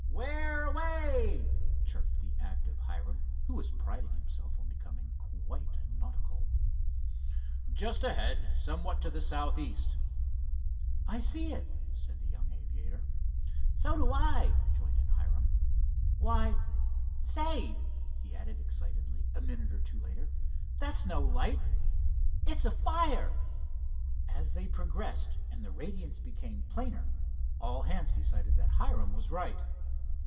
"Where away?" chirped the active Hiram, who was priding himself on becoming quite nautical. "Just ahead, somewhat to the southeast." "I see it," said the young aviator. "So do I," joined in Hiram. "Why, say," he added, excitedly a minute or two later, "that's no light. It's a fire." As they progressed and the radiance became plainer, all hands decided that Hiram was right.